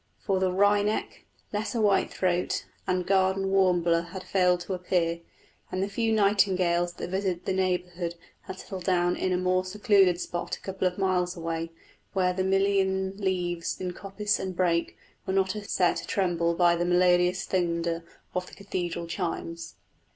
For the wryneck, lesser white throat, and garden warbler had failed to appear, and the few nightingales that visit the neighbourhood had settled down in a more secluded spot a couple of miles away, where the million leaves in coppice and brake were not set a tremble by the melodious thunder of the cathedral chimes.